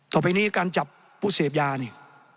ต่อไปนี้การจับผู้เสพยานี่